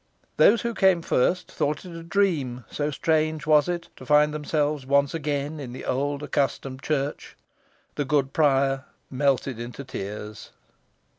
Those who came first thought it a dream, so strange was it to find themselves once again in the old accustomed church. The good prior melted into tears.